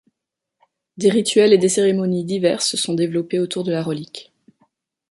Des rituels et des cérémonies diverses se sont développées autour de la relique.